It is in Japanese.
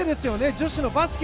女子のバスケ。